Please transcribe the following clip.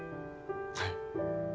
はい。